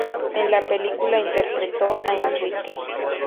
En la película interpretó a Enrique.